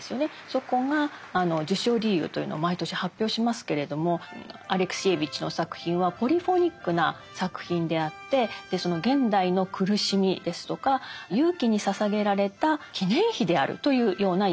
そこが受賞理由というのを毎年発表しますけれどもアレクシエーヴィチの作品はポリフォニックな作品であってその現代の苦しみですとか勇気にささげられた記念碑であるというような言い方をしていました。